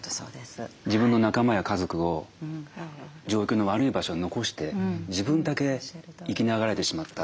自分の仲間や家族を状況の悪い場所に残して自分だけ生きながらえてしまった。